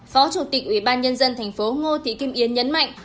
phó chủ tịch ủy ban nhân dân thành phố ngô thị kim yến nhấn mạnh